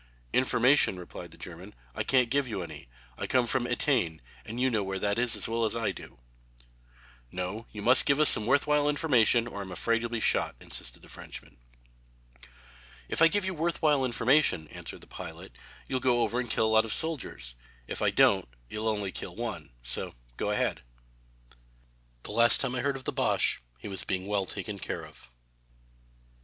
"Information," replied the German, "I can't give you any. I come from Etain, and you know where that is as well as I do." "No, you must give us some worth while information, or I'm afraid you'll be shot," insisted the Frenchman. "If I give you worth while information," answered the pilot, "you'll go over and kill a lot of soldiers, and if I don't you'll only kill one so go ahead." The last time I heard of the Boche he was being well taken care of.